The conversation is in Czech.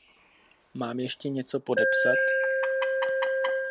Mám ještě něco podepsat?